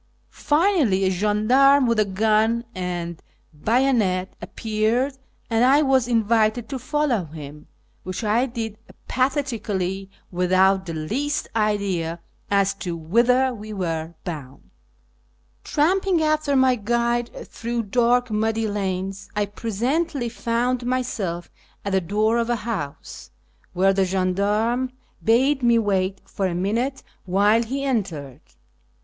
Finally, a gendarme with a gun and bayonet appeared, and I was invited to follow him, which I did apathetically, without the least idea as to whither we were bound. Tramping after my guide through dark muddy lanes, I presently found myself at the door of a house, where the gendarme bade me wait for a minute while he entered.